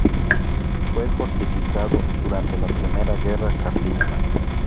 Fue fortificado durante la Primera Guerra Carlista.